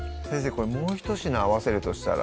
これもうひと品合わせるとしたら？